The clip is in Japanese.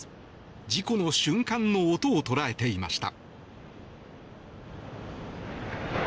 事故の瞬間の音を捉えていました。